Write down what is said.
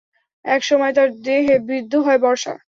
এক সময় তার দেহে বিদ্ধ হয় বর্শা।